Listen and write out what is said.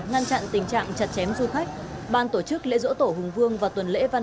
ngăn chặn tình trạng chặt chém du khách ban tổ chức lễ dỗ tổ hùng vương và tuần lễ văn